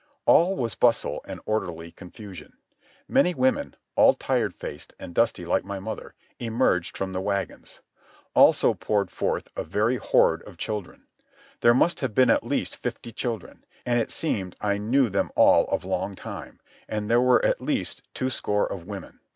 All was bustle and orderly confusion. Many women, all tired faced and dusty like my mother, emerged from the wagons. Also poured forth a very horde of children. There must have been at least fifty children, and it seemed I knew them all of long time; and there were at least two score of women.